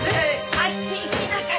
あっち行きなさい！